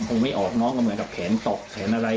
ไม่ออกน้องก็เหมือนกับแขนตกแขนอะไร